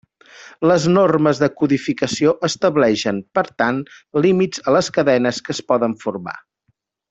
Les normes de codificació estableixen, per tant, límits a les cadenes que es poden formar.